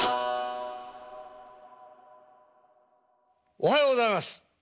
おはようございます。